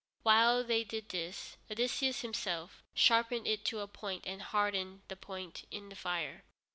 While they did this, Odysseus himself sharpened it to a point and hardened the point in the fire.